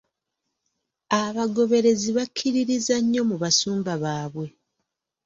Abagoberezi bakkiririza nnyo mu basumba baabwe.